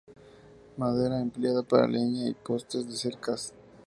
Madera empleada para leña y postes de cercas.